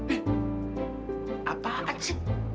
eh apaan sih